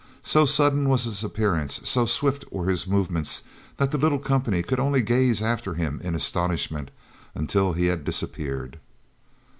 So sudden was his appearance, so swift were his movements, that the little company could only gaze after him in astonishment until he had disappeared.